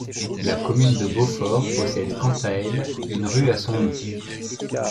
La commune de Beaufort possède quant à elle une rue à son nom.